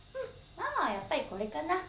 ママはやっぱりこれかな。